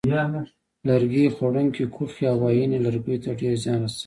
لرګي خوړونکې کوخۍ او وایینې لرګیو ته ډېر زیان رسوي.